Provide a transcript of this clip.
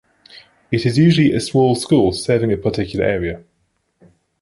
It is usually a small school serving a particular area.